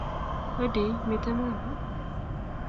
Hodi, mitei mama?